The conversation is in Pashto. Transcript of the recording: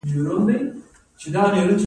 فیض اباد د کوم سیند په غاړه دی؟